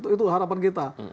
itu harapan kita